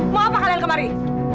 mau apa kalian kemari